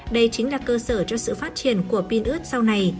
đây chính là cơ sở cho sự phát triển của pin ướt sau này